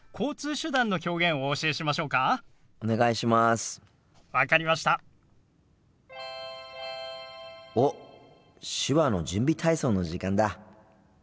手話の準備体操の時間だ。